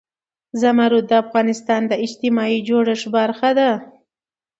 زمرد د افغانستان د اجتماعي جوړښت برخه ده.